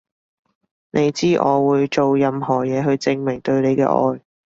你知我會做任何嘢去證明對你嘅愛